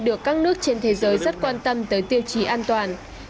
được các nước trên thế giới rất quan tâm tới tiêu chí an toàn